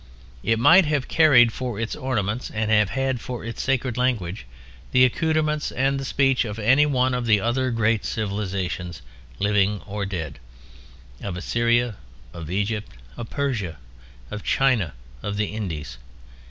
It might have carried for its ornaments and have had for its sacred language the accoutrements and the speech of any one of the other great civilizations, living or dead: of Assyria, of Egypt, of Persia, of China, of the Indies.